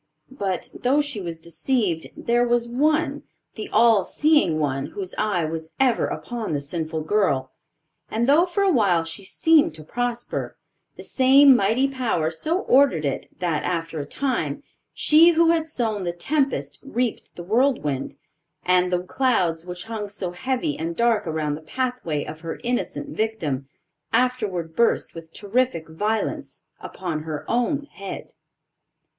But, though she was deceived, there was one, the All seeing One, whose eye was ever upon the sinful girl; and though for a while she seemed to prosper, the same mighty Power so ordered it, that after a time, she who had sown the tempest reaped the whirlwind; and the clouds which hung so heavy and dark around the pathway of her innocent victim, afterward burst with terrific violence upon her own head.